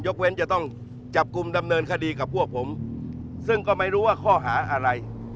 เว้นจะต้องจับกลุ่มดำเนินคดีกับพวกผมซึ่งก็ไม่รู้ว่าข้อหาอะไร